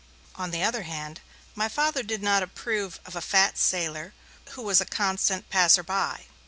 On the other hand, my Father did not approve of a fat sailor, who was a constant passer by.